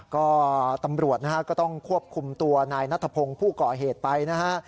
ก็ตำรวจนะฮะก็ต้องควบคุมตัวนายนัทพงศ์ผู้ก่อเหตุไปนะฮะ